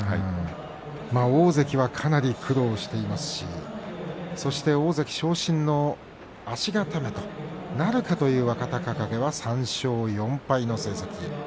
大関がかなり苦労していますしそして大関昇進の足固めなるかどうかという若隆景は３勝４敗の成績。